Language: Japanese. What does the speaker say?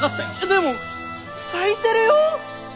でも咲いてるよ！